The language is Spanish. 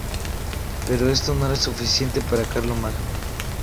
Pero esto no era suficiente para Carlomagno.